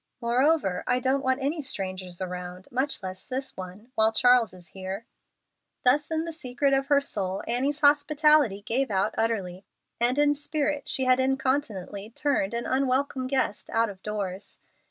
Moreover, I don't want any strangers around, much less this one, while Charles is here." Thus in the secret of her soul Annie's hospitality gave out utterly, and in spirit she had incontinently turned an unwelcome guest out of doors.